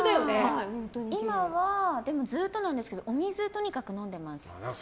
今は、でもずっとなんですけどお水をとにかく飲んでます。